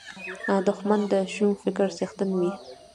دښمن د شوم فکر څښتن وي